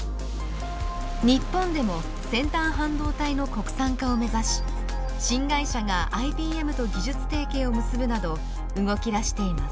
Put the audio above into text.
日本でも先端半導体の国産化を目指し新会社がＩＢＭと技術提携を結ぶなど動き出しています。